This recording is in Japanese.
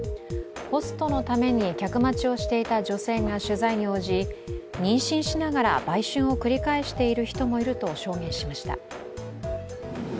ホストのために客待ちをしていた女性が取材に応じ妊娠しながら売春を繰り返している人もいると証言しました。